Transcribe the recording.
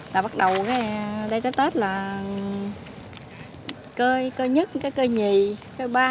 là bắt đầu cái đây tới tết là cơi cơi nhất cơi nhì cơi ba